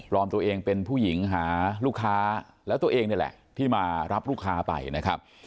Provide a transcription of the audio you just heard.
อมตัวเองเป็นผู้หญิงหาลูกค้าแล้วตัวเองนี่แหละที่มารับลูกค้าไปนะครับ